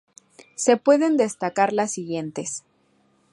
Se pueden destacar las siguientes.